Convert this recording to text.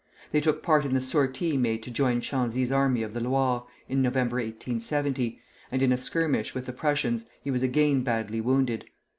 They took part in the sortie made to join Chanzy's Army of the Loire, in November, 1870, and in a skirmish with the Prussians he was again badly wounded.